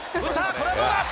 これはどうだ。